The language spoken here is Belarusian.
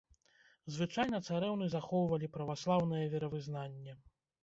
Звычайна, царэўны захоўвалі праваслаўнае веравызнанне.